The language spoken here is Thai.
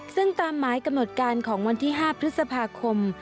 ซึ่งตามหมายกำหนดการของวันที่๕พฤษภาคม